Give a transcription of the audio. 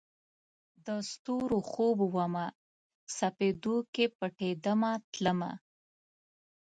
د ستورو خوب ومه، سپیدو کې پټېدمه تلمه